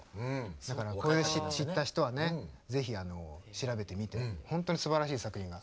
だからこれで知った人はね是非調べてみて本当にすばらしい作品が。